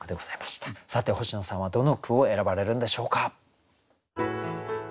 さて星野さんはどの句を選ばれるんでしょうか？